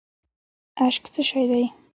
اشک څه شی دی؟